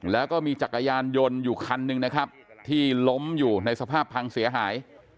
แล้วก็มีจักรยานยนต์อยู่คันหนึ่งนะครับที่ล้มอยู่ในสภาพพังเสียหาย